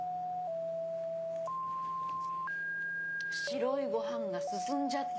白いご飯が進んじゃって。